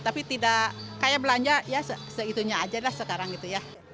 tapi tidak kayak belanja ya segitunya aja lah sekarang gitu ya